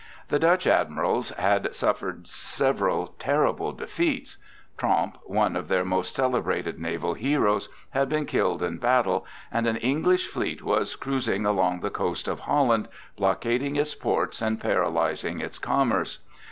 The Dutch admirals had suffered several terrible defeats. Tromp, one of their most celebrated naval heroes, had been killed in battle, and an English fleet was cruising along the coast of Holland, blockading its ports, and paralyzing its commerce.